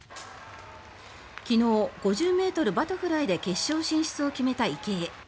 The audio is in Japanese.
昨日、５０ｍバタフライで決勝進出を決めた池江。